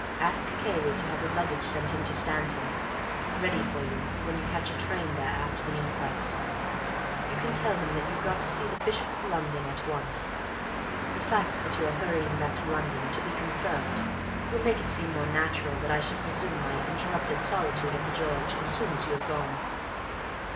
Ask Cayley to have your luggage sent in to Stanton, ready for you when you catch a train there after the inquest. You can tell him that you've got to see the Bishop of London at once. The fact that you are hurrying back to London to be confirmed will make it seem more natural that I should resume my interrupted solitude at 'The George' as soon as you have gone."